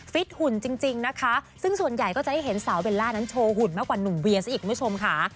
หุ่นจริงนะคะซึ่งส่วนใหญ่ก็จะได้เห็นสาวเบลล่านั้นโชว์หุ่นมากกว่าหนุ่มเวียซะอีกคุณผู้ชมค่ะ